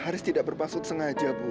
haris tidak bermaksud sengaja bu